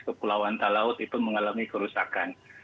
ke pulau antalaut itu mengalami kerusakan